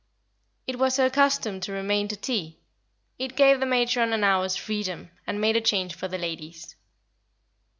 It was her custom to remain to tea; it gave the matron an hour's freedom, and made a change for the ladies.